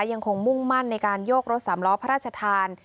ยังคงมุ่งมั่นในการโยกรถสามล้อพระราชทาน